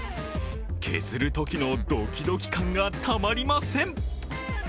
削るときのドキドキ感がたまりません！